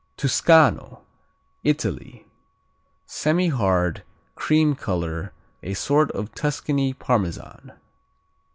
Tuscano Italy Semihard; cream color; a sort of Tuscany Parmesan.